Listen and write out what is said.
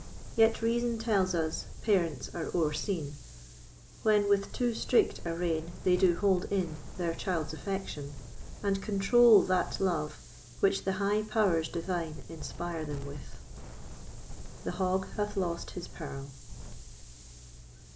Yet reason tells us, parents are o'erseen, When with too strict a rein they do hold in Their child's affection, and control that love, Which the high powers divine inspire them with. The Hog hath lost his Pearl.